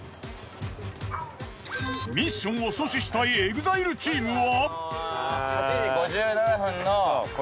ミッションを阻止したいＥＸＩＬＥチームは。